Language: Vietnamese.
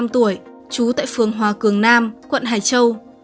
ba mươi năm tuổi trú tại phường hòa cường nam quận hải châu